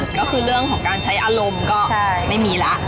ก็คือเรื่องของการใช้อารมณ์ก็ไม่มีแล้ว